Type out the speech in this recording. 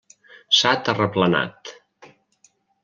S'ha terraplenat.